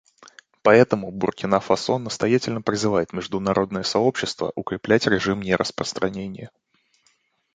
Поэтому Буркина-Фасо настоятельно призывает международное сообщество укреплять режим нераспространения.